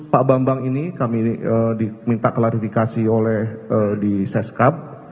pak bambang ini kami diminta klarifikasi oleh di seskap